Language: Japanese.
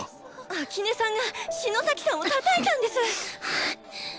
秋音さんが篠崎さんをたたいたんです！